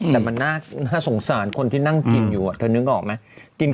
แต่มันน่าสงสารคนที่นั่งกินอยู่เธอนึกออกไหม